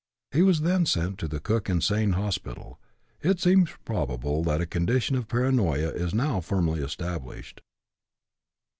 He was then sent to the Cook Insane Hospital. It seems probable that a condition of paranoia is now firmly established.